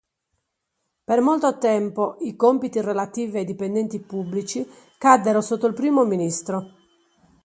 Per molto tempo, i compiti relativi ai dipendenti pubblici caddero sotto il primo ministro.